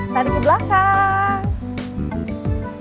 tarik ke belakang